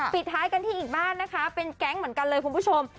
ปิดท้ายกันที่อีกบ้านนะคะเป็นแก๊งเหมือนกันเลยคุณผู้ชม